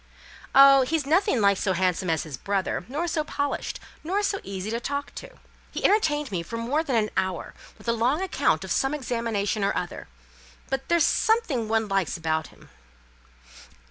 "Oh! he's nothing like so handsome as his brother; nor so polished; nor so easy to talk to. He entertained me for more than an hour with a long account of some examination or other; but there's something one likes about him."